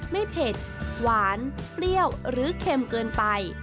เผ็ดหวานเปรี้ยวหรือเค็มเกินไป